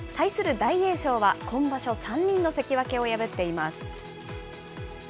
大栄翔は、今場所３人の関脇を破っています。